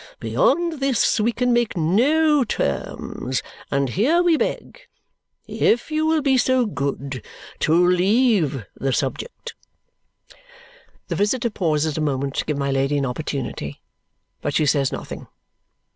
Beyond this, we can make no terms; and here we beg if you will be so good to leave the subject." The visitor pauses a moment to give my Lady an opportunity, but she says nothing.